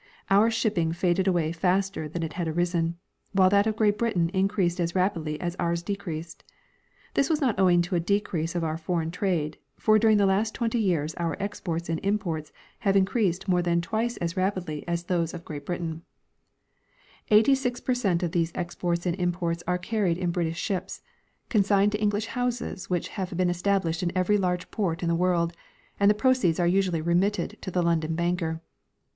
Our shipping faded aAvay faster than it had arisen, while that of Great Britain increased as rapidly as ours decreased. This Avas not OAving to a decrease of our foreign trade, for during the last tAventy years our exports and imports have increased more than tAvice as rapidly as those of Great 12 G. G. Hubbard — TJte Evolution of Coonmercc. Britain.* Eighty seven per cent of these exports and imports are carried in British ships, consigned to English houses which have been established in ever}' large port in the world, and the ]jroceeds are usually remitted to the London banker.